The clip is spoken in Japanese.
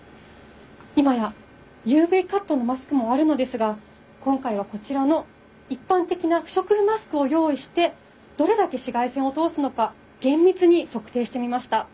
今やＵＶカットのマスクもあるのですが今回はこちらの一般的な不織布マスクを用意してどれだけ紫外線を通すのか厳密に測定してみました。